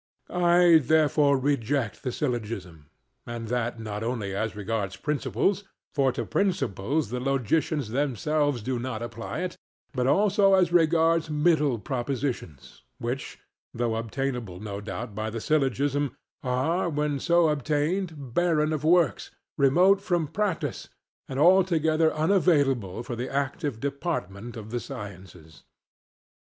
I therefore reject the syllogism; and that not only as regards principles (for to principles the logicians themselves do not apply it) but also as regards middle propositions; which, though obtainable no doubt by the syllogism, are, when so obtained, barren of works, remote from practice, and altogether unavailable for the active department of the sciences.